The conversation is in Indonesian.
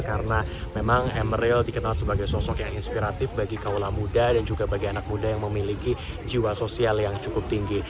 karena memang emeril dikenal sebagai sosok yang inspiratif bagi kawalan muda dan juga bagi anak muda yang memiliki jiwa sosial yang cukup tinggi